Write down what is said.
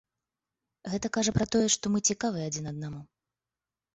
Гэта кажа пра тое, што мы цікавыя адзін аднаму.